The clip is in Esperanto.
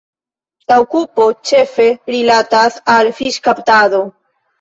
La okupo ĉefe rilatas al fiŝkaptado.